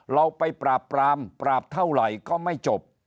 เราไปปราบปรามปราบเท่าไหร่ก็ไม่จบ